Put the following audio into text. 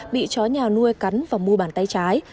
bị chó nhà nuôi cắn và mua bàn tay trái